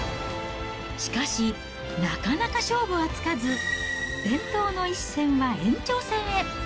しかし、なかなか勝負はつかず、伝統の一戦は延長戦へ。